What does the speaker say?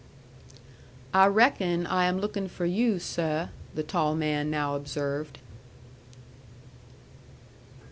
"I reckon I am looking for you, seh," the tall man now observed.